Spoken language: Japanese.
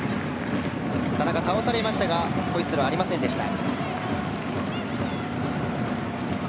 田中、倒されましたがホイッスルはありませんでした。